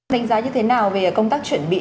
đánh giá như thế nào về công tác chuẩn bị